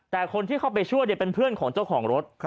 แต่คนที่เข้าไปช่วยเป็นเพื่อนของเจ้าของรถ